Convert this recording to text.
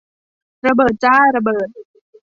ระเบิดจ้า ระเบิด